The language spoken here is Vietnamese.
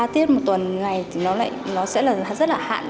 ba tiết một tuần này thì nó sẽ rất là hạn